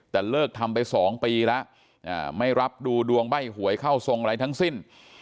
แต่เลิกทำไป๒ปีแล้วไม่รับดูดวงใบ้หวยเข้าทรงอะไรทั้งสิ้น